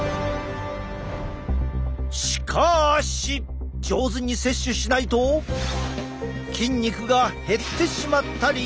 しかし上手に摂取しないと筋肉が減ってしまったり！